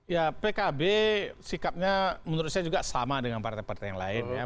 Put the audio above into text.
ya pkb sikapnya menurut saya juga sama dengan partai partai yang lain ya